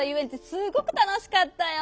すごくたのしかったよ。